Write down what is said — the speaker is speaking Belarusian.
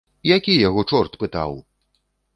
Які яго чорт пытаў?